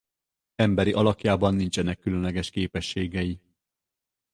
Emberi alakjában nincsenek különleges képességei.